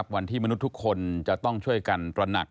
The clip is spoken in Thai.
วันที่มนุษย์ทุกคนจะต้องช่วยกันตรวจหนัก